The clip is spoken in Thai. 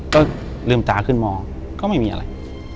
ก็ลืมตาขึ้นมองก็ไม่มีอะไร